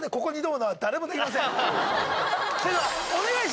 それではお願いします。